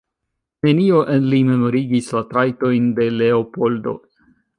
Nenio en li memorigis la trajtojn de Leopoldo.